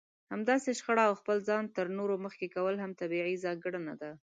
همداسې شخړه او خپل ځان تر نورو مخکې کول هم طبيعي ځانګړنه ده.